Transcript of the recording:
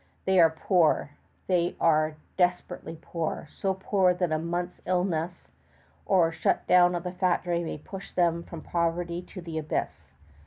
They are {x} poor, they are desperately poor, so poor that a month's illness or a shut down of the factory may push them from poverty to the abyss.